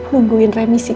nungguin remisi ya